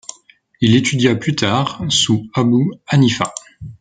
Il étudia plus tard sous Abû Hanifa.